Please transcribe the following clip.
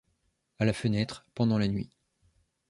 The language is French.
À la fenêtre, pendant la nuit